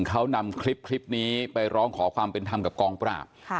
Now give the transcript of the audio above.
เขานำคลิปนี้ไปร้องขอความเป็นธรรมกับกองปราบ